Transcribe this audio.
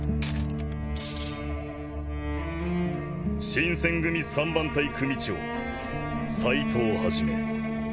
新撰組三番隊組長斎藤一。